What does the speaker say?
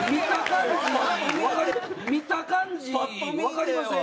見た感じわかりません？